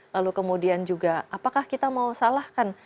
lalu kemudian juga apakah kita mau salahkan